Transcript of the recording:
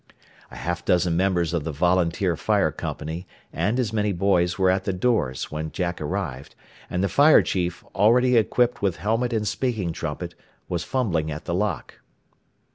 A half dozen members of the volunteer fire company and as many boys were at the doors when Jack arrived, and the fire chief, already equipped with helmet and speaking trumpet, was fumbling at the lock.